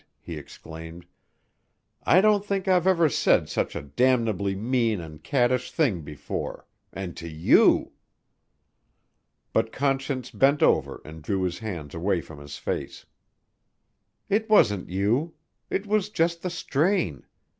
he exclaimed, "I don't think I've ever said such a damnably mean and caddish thing before and to you!" But Conscience bent over and drew his hands away from his face. "It wasn't you. It was just the strain.